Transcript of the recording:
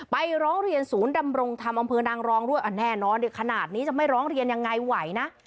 ร้องเรียนศูนย์ดำรงธรรมอำเภอนางรองด้วยแน่นอนขนาดนี้จะไม่ร้องเรียนยังไงไหวนะ